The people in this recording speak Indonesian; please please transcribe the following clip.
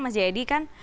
mas jayadi kan